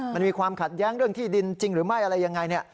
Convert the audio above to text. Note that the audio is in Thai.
มันมีความขัดแย้งเรื่องที่ดินจริงหรือไม่อะไรยังไงเนี่ย